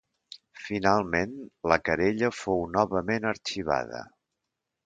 Finalment, la querella fou novament arxivada.